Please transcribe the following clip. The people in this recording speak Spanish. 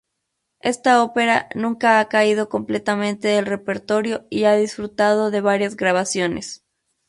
Esta ópera nunca ha caído completamente del repertorio y ha disfrutado de varias grabaciones.